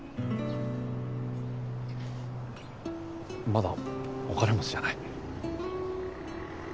まだお金持ちじゃない。